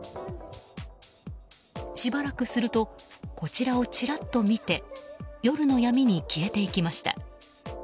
しばらくするとこちらをちらっと見て夜の闇に消えていきました。